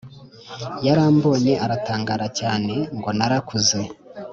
Yarambonye aratangara cyane ngo narakuze